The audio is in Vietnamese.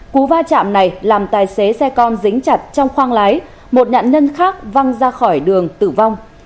cú va chạm này làm tài xế xe con dính chặt trong khoang lái một nạn nhân khác văng ra khỏi đường tử vong